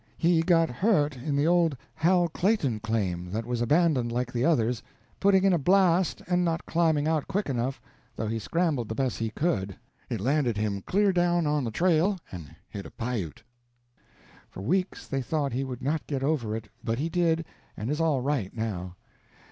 He got hurt in the old Hal Clayton claim that was abandoned like the others, putting in a blast and not climbing out quick enough, though he scrambled the best he could. It landed him clear down on the train and hit a Piute. For weeks they thought he would not get over it but he did, and is all right, now.